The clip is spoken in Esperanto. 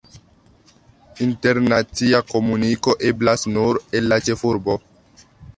Internacia komuniko eblas nur el la ĉefurbo.